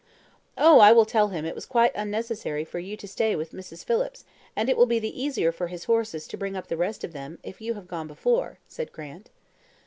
"Oh, I will tell him it was quite unnecessary for you to stay with Mrs. Phillips, and it will be the easier for his horses to bring up the rest of them, if you have gone before," said Grant.